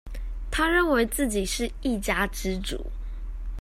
他認為自己是一家之主